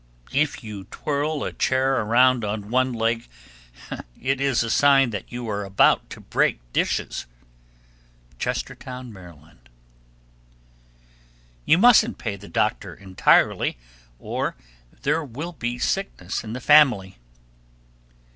1281. If you twirl a chair around on one leg, it is a sign that you are about to break dishes. Chestertown, Md. 1282. You mustn't pay the doctor entirely, or there will be sickness in the family.